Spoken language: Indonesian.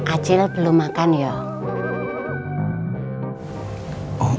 acil belum makan yuk